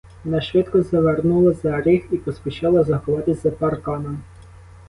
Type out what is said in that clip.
Вона швидко завернула за ріг і поспішила заховатись за парканом.